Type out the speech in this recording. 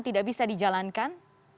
tidak bisa dijalankan